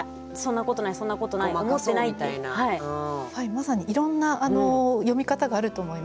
まさにいろんな読み方があると思います。